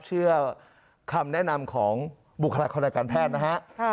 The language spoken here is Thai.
เชื่อคำแนะนำของบุคลากรทางการแพทย์นะฮะ